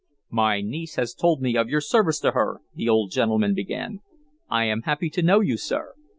"My niece has just told me of your service to her," the old gentleman began. "I am happy to know you, sir."